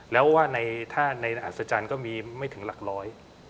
แล้วว่าในท่าในอัศจรรย์ก็มีไม่ถึงหลักร้อย